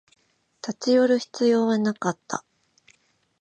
立ち寄る必要はなかった